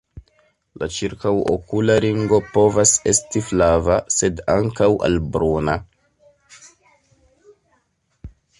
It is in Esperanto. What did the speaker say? La ĉirkaŭokula ringo povas esti flava, sed ankaŭ al bruna.